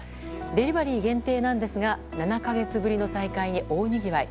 デリバリー限定なのですが７か月ぶりの再開に大にぎわい。